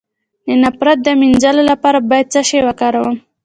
د نفرت د مینځلو لپاره باید څه شی وکاروم؟